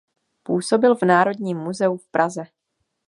Působil v Národním muzeu v Praze.